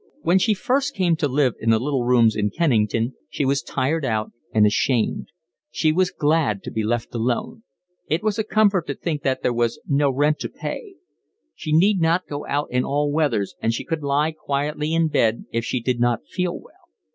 When she first came to live in the little rooms in Kennington she was tired out and ashamed. She was glad to be left alone. It was a comfort to think that there was no rent to pay; she need not go out in all weathers, and she could lie quietly in bed if she did not feel well.